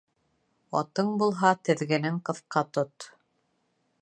Атың булһа, теҙгенен ҡыҫҡа тот.